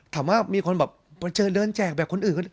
ถามว่ามีคนแบบมาเจอเดินแจกแบบคนอื่น